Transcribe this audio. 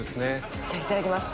じゃあいただきます。